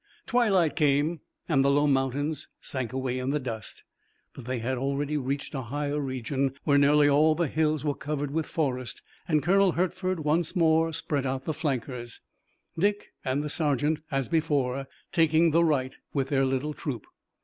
Twilight came, and the low mountains sank away in the dusk. But they had already reached a higher region where nearly all the hills were covered with forest, and Colonel Hertford once more spread out the flankers, Dick and the sergeant, as before, taking the right with their little troop.